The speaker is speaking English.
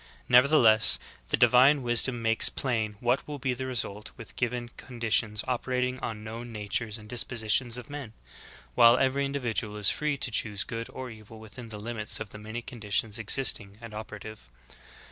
Nevertheless, the divine wisdom makes plain what will be the result with given con ditions operating on known natures and dispositions of men ; while every individual is free to choose good or evil within the limits of the many conditions existing and operative.